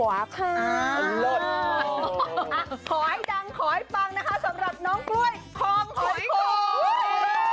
สำหรับน้องกล้วยคลองหอยโข่ง